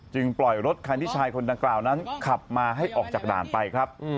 ปล่อยรถคันที่ชายคนดังกล่าวนั้นขับมาให้ออกจากด่านไปครับ